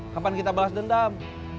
kapan kita balas dendam